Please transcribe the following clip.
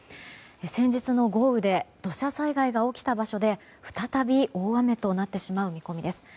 先日の豪雨で土砂災害が起きた場所で再び大雨となってしまう見込みです。